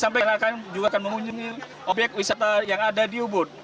sampai juga akan mengunjungi obyek wisata yang ada di ubud